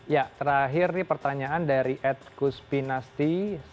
ya terakhir ini pertanyaan dari edkuspi nasti seribu tujuh ratus satu